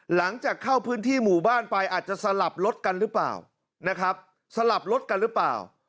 หลังจากเข้าพื้นที่หมู่บ้านไปอาจจะสลับรถกันหรือเปล่านะครับสลับรถกันหรือเปล่า